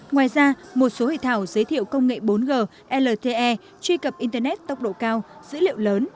ngoài ra một số hội thảo giới thiệu công nghệ bốn g lte truy cập internet tốc độ cao dữ liệu lớn